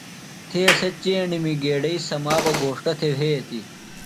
تھے سےۡ چیݨیمی گیڈئیۡ سما بہ گھوݜٹہ تھےۡ وھیتیۡ۔